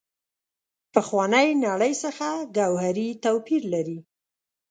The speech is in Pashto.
پخوانۍ نړۍ څخه ګوهري توپیر لري.